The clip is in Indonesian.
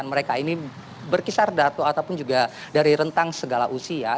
dan sasaran mereka ini berkisar datu ataupun juga dari rentang segala usia